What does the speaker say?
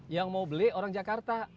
yang mau beli orang jakarta